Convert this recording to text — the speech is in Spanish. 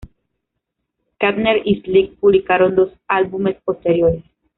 Kantner Y Slick publicaron dos álbumes posteriores.